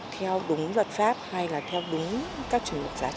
theo đúng luật pháp hay là theo đúng các trường hợp giá trị hay không